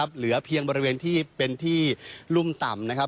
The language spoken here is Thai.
เหลือเพียงบริเวณที่เป็นที่ลุ่มต่ำ